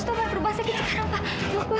kita bawa taufan ke rumah sakit sekarang pak